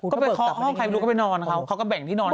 ก็ไปเคาะห้องใครไม่รู้ก็ไปนอนเขาเขาก็แบ่งที่นอน